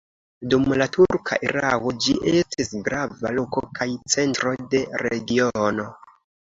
Dum la turka erao ĝi estis grava loko kaj centro de regiono.